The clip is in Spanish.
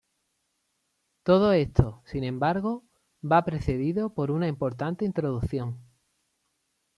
Todo esto, sin embargo, va precedido por una importante introducción.